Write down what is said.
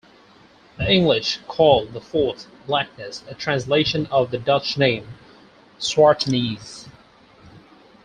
The English called the fort 'Blackness', a translation of the Dutch name "Swartenisse".